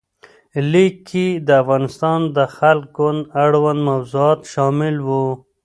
لیک کې د افغانستان د خلق ګوند اړوند موضوعات شامل وو.